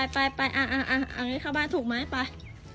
อังงี้เข้าบ้านถูกมั้ยไป